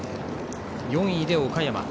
４位で岡山。